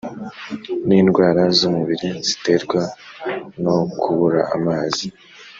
nindwara zumubiri ziterwa nokubura amazi